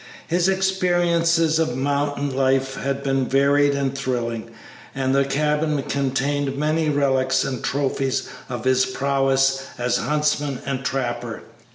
His experiences of mountain life had been varied and thrilling, and the cabin contained many relics and trophies of his prowess as huntsman and trapper.